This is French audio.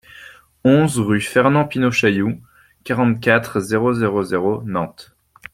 onze rue Fernand Pineau-Chaillou, quarante-quatre, zéro zéro zéro, Nantes